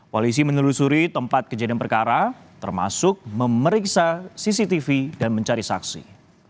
polisi menelusuri tempat kejadian perkara termasuk memeriksa cctv dan mencari saksi